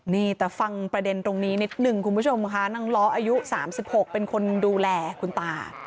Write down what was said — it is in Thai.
นี่แต่ฟังประเด็นตรงนี้นิดนึงคุณผู้ชมค่ะนางล้ออายุ๓๖เป็นคนดูแลคุณตา